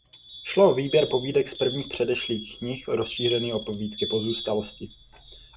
Šlo o výběr povídek z prvních předešlých knih rozšířený o povídky z pozůstalosti.